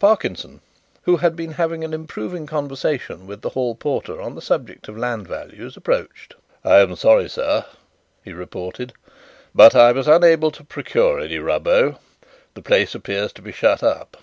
Parkinson, who had been having an improving conversation with the hall porter on the subject of land values, approached. "I am sorry, sir," he reported, "but I was unable to procure any 'Rubbo.' The place appears to be shut up."